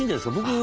僕